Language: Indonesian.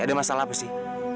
ada masalah apa sih